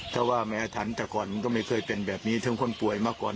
ถ้าว่ามีอาถรรพ์แต่ก่อนมันก็ไม่เคยเป็นแบบนี้ถึงคนป่วยมาก่อน